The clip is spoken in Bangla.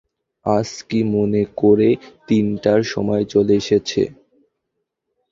আজ কী মনে করে তিনটার সময় চলে এসেছে।